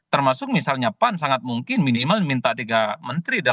termasuk misalnya pan sangat mungkin minimal minta tiga menteri